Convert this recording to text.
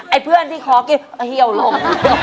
เพื่อนที่ขอกินเหี่ยวลง